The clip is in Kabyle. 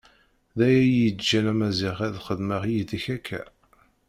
D aya iyi-iǧǧan a Maziɣ ad xedmeɣ yid-k akka.